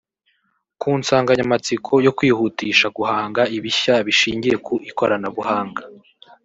ku nsanganyamatsiko yo kwihutisha guhanga ibishya bishingiye ku ikoranabuhanga